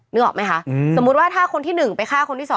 นึกออกไหมคะสมมุติว่าถ้าคนที่๑ไปฆ่าคนที่๒